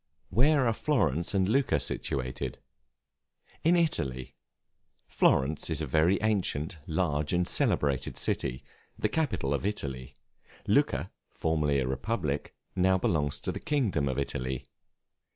Where are Florence and Lucca situated? In Italy. Florence is a very ancient, large, and celebrated city, the capital of Italy; Lucca, formerly a republic, belongs now to the kingdom of Italy.